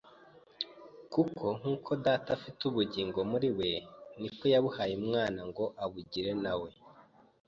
kuko, nk’uko Data afite ubugingo muri we ni ko yabuhaye Umwana ngo abugire na we